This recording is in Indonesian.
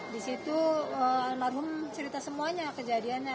disitu almarhum cerita semuanya kejadiannya